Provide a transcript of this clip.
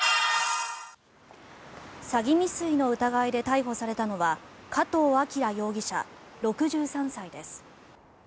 詐欺未遂の疑いで逮捕されたのは加藤晃容疑者、６３歳です。